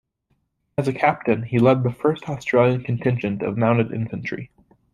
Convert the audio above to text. As a Captain, he led the first Australian contingent of mounted infantry.